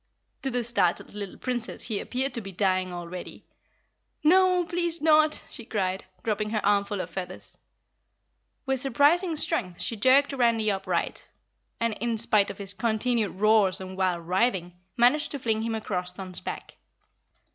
To the startled little Princess he appeared to be dying already. "No, no! Please not!" she cried, dropping her armful of feathers. With surprising strength she jerked Randy upright and, in spite of his continued roars and wild writhing, managed to fling him across Thun's back.